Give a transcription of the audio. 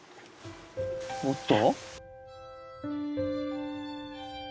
おっと。